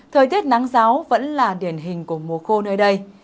thời tiết nắng giáo vẫn là điển hình của mùa khô nơi đây